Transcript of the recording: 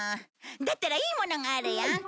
だったらいいものがあるよ！